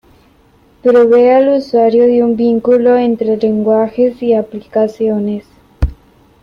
Provee al usuario de un vínculo entre lenguajes y aplicaciones.